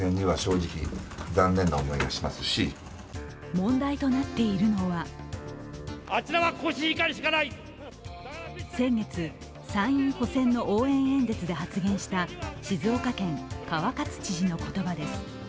問題となっているのは先月、参院補選の応援演説で発言した静岡県・川勝知事の言葉です。